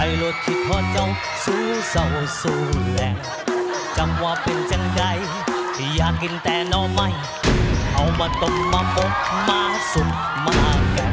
อยากซื้อสวนเจ้าไปลงทำลงทาขึ้นแล้วไปละหน้าคำแพง